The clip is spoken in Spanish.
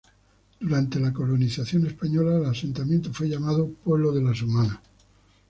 Durante la colonización española el asentamiento fue llamado "Pueblo de Las Humanas".